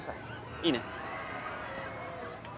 いいね？